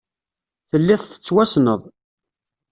Telliḍ tettwassneḍ